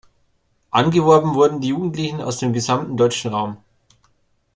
Angeworben wurden die Jugendlichen aus dem gesamten deutschen Raum.